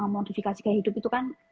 modifikasi gaya hidup itu kan